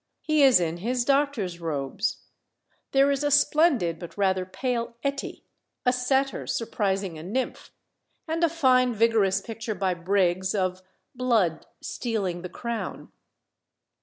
He is in his doctor's robes. There is a splendid but rather pale Etty "A Satyr surprising a Nymph;" and a fine vigorous picture by Briggs, of "Blood stealing the Crown."